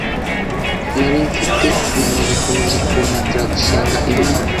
nari mfite, mama agakomeza kumpatira gusenga Imana